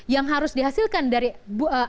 yang harus dihasilkan dari anak anak